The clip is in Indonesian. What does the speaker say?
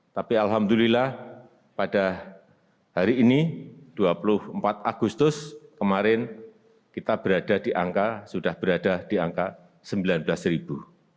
tapi alhamdulillah pada hari ini dua puluh empat agustus kemarin kita berada di angka sudah berada di angka sembilan belas ribu